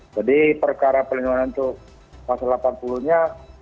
jadi perkara pelindungan itu pasal delapan puluh nya